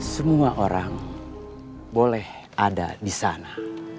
semua orang boleh ada di sana